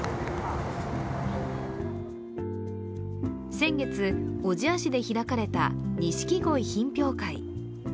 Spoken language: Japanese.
先月、小千谷市で開かれたにしきごい品評会。